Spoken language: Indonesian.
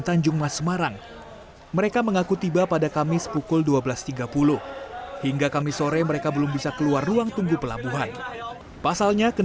sejumlah penumpang akhirnya memilih naik perahu nelayan